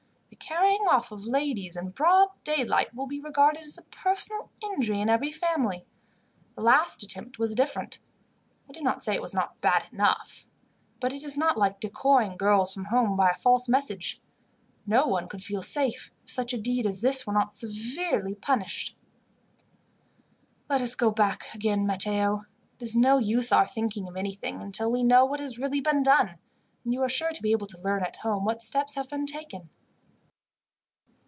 The carrying off of ladies, in broad daylight, will be regarded as a personal injury in every family. The last attempt was different. I do not say it was not bad enough, but it is not like decoying girls from home by a false message. No one could feel safe, if such a deed as this were not severely punished." "Let us go back again, Matteo. It is no use our thinking of anything until we know what has really been done, and you are sure to be able to learn, at home, what steps have been taken."